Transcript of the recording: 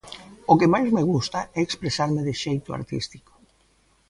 O que máis me gusta é expresarme de xeito artístico.